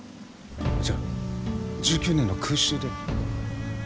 じゃあ１９年の空襲で？